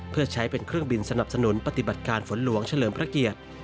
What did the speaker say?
เพื่อใช้เป็นเครื่องบินสนับสนุนปฏิบัติการฝนหลวงเฉลิมพระเกียรติ